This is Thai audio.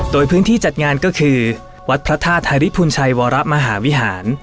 โดยพื้นที่จัดงานก็คือวัดพระธาตุธาริพุนชัยวรมหาวิหาร